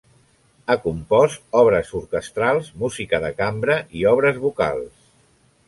Ha compost obres orquestrals, música de cambra i obres vocals.